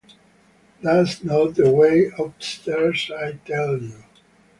That’s not the way: upstairs, I tell you!